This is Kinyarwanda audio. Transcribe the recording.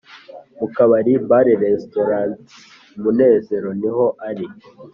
mu kabari (bar-restaurant)"umunezero" niho ari